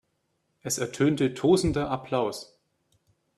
Es ertönte tosender Applaus.